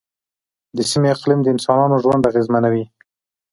د سیمې اقلیم د انسانانو ژوند اغېزمنوي.